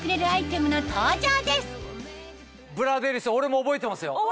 俺も覚えてますよ。